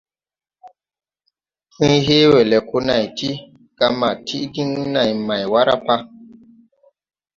Pũy hee we le ko nãy ti, ga ma tiʼ din nãy may wara pa?